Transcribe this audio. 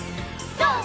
ＧＯ！